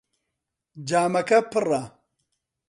جامەکە پڕە.